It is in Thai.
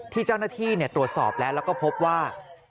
ที่เจ้าหน้าที่ตรวจสอบแล้วแล้วก็พบว่า